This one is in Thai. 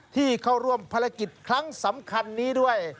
ที่เข้าร่วมภารกิจครั้งสำคัญนี้ด้วย